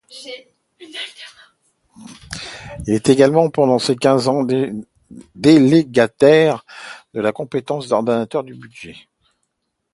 Il est également pendant ces quinze ans délégataire de la compétence d'ordonnateur du budget.